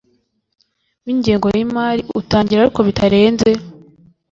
w ingengo y imari utangira ariko bitarenze